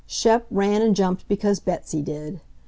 Shep ran and jumped because Betsy did.